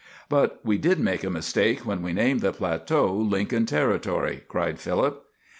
"But we did make a mistake when we named the plateau Lincoln Territory," cried Philip.